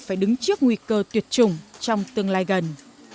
phải đứng trước nguy cơ tuyệt chủng trong tương lai gần